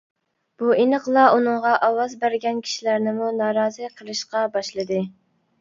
بۇ ئېنىقلا ئۇنىڭغا ئاۋاز بەرگەن كىشىلەرنىمۇ نارازى قىلىشقا باشلىدى.